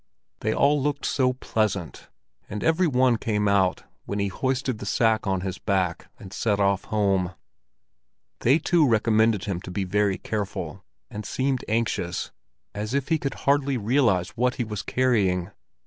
They all looked so pleasant, and every one came out when he hoisted the sack on his back and set off home. They too recommended him to be very careful, and seemed anxious, as if he could hardly realize what he was carrying.